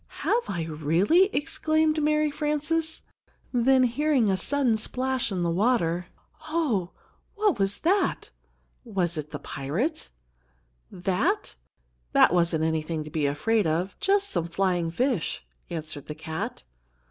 "Have I really?" exclaimed Mary Frances; then hearing a sudden splash in the water, "Oh, what was that? Was it the pirate?" "That? That wasn't anything to be afraid of just some flying fish," answered the cat.